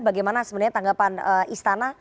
bagaimana sebenarnya tanggapan istana